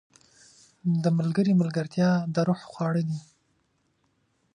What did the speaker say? • د ملګري ملګرتیا د روح خواړه دي.